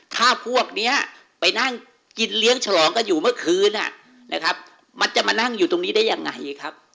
ถ้าพวกนี้ไปนั่งกินเลี้ยงฉลองกันอยู่เมื่อคืนนะครับมันจะมานั่งอยู่ตรงนี้ได้ยังไงครับ